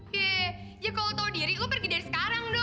ye ya kalau tau diri lo pergi dari sekarang dong